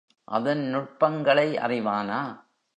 அதன் நுட்பங்களை அறிவானா?